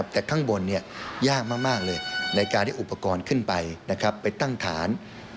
แต่ข้างบนยากมากเลยในการที่อุปกรณ์ขึ้นไปไปตั้งฐาน